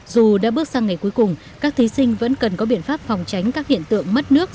dù đã bước sang ngày cuối cùng các thí sinh vẫn cần có biện pháp phòng tránh các hiện tượng mất nước